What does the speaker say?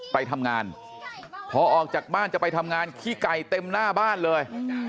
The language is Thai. ไปทำงานพอออกจากบ้านจะไปทำงานขี้ไก่เต็มหน้าบ้านเลย